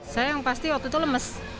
saya yang pasti waktu itu lemes